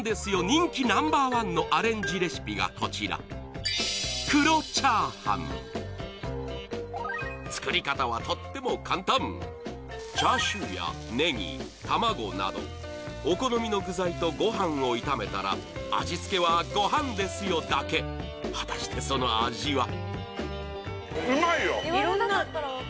人気Ｎｏ．１のアレンジレシピがこちら作り方はとっても簡単チャーシューやネギ卵などお好みの具材とごはんを炒めたら味付けは「ごはんですよ！」だけ果たしてその味は？